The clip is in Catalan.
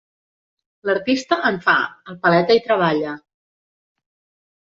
L'artista en fa, el paleta hi treballa.